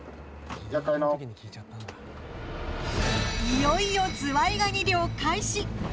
いよいよ、ズワイガニ漁開始。